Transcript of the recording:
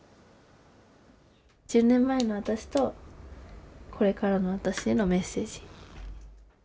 １０年前の私とこれからの私へのメッセージ。